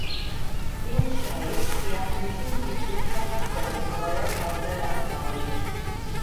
Genç şair siyah meşin ciltli ufak kitabı havaya kaldırarak bağırdı.